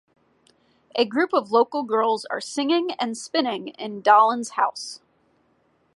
A group of local girls are singing and spinning in Daland's house.